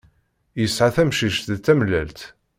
Yesεa tamcict d tamellalt.